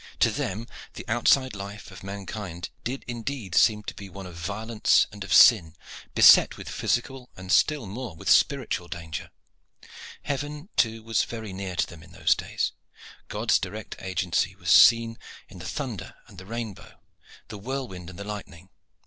To them the outside life of mankind did indeed seem to be one of violence and of sin, beset with physical and still more with spiritual danger. Heaven, too, was very near to them in those days. God's direct agency was to be seen in the thunder and the rainbow, the whirlwind and the lightning.